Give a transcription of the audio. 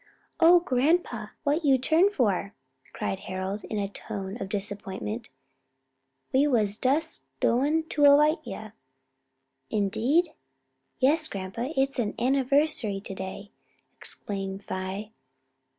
"Oh, grandpa, what you turn for?" cried Harold in a tone of disappointment, "we was dus doin to 'vite you!" "Indeed!" "Yes, grandpa, it's a 'versary to day" explained Vi.